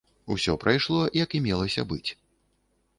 Усё прайшло, як і мелася быць.